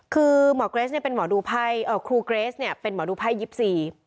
คือหมอเกรสเป็นหมอดูไพรครูเกรสเป็นหมอดูไพร๒๔